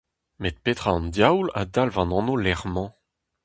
Met petra an diaoul a dalv an anv-lec'h-mañ ?